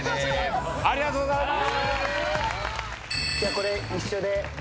これ一緒で。